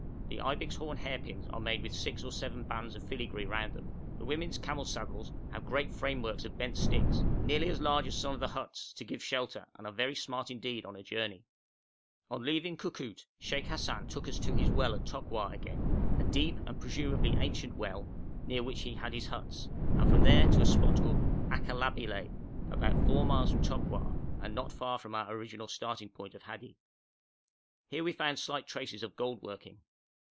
The ibex horn hairpins are made with six or seven bands of filigree round them. The women's camel saddles have great frameworks of bent sticks, nearly as large as some of the huts, to give shelter, and are very smart indeed on a journey. On leaving Koukout, Sheikh Hassan took us to his well at Tokwar again, a deep and presumably ancient well, near which he has his huts; and from there to a spot called Akelabillèh, about four miles from Tokwar, and not far from our original starting point of Hadi. Here we found slight traces of gold working.